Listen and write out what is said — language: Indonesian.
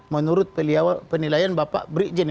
menurut penilaian bapak brikjen